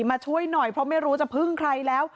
มาช่วยหน่อยเพราะไม่รู้จะพึ่งใครแล้ว